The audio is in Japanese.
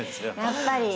やっぱり。